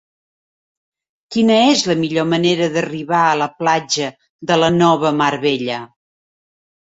Quina és la millor manera d'arribar a la platja de la Nova Mar Bella?